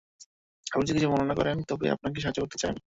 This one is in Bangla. আপনি যদি কিছু মনে না করেন, তবে আপনাকে সাহায্য করতে চাই আমি!